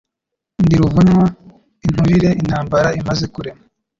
Ndi Ruvunywa inturireIntambara imaze kurema